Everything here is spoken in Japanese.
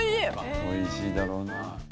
美味しいだろうな。